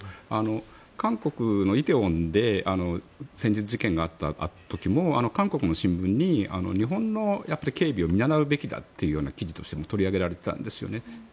韓国の梨泰院で先日、事件があった時も韓国の新聞に日本の警備を見習うべきだという記事としても取り上げられていたんですよね。